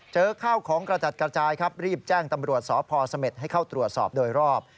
เจอข้าวของกระจัดกระจายครับรีบแจ้งตำรวจสพเสม็ดให้เข้าตรวจสอบโดยรอบ